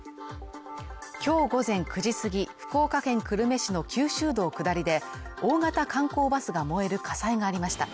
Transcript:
今日午前９時すぎ、福岡県久留米市の九州道下りで、大型観光バスが燃える火災がありました。